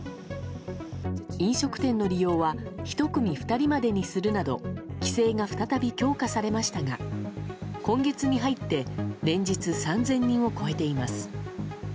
飲食店の利用は１組２人までにするなど規制が再び強化されましたが今月に入って連日、３０００人を超えています。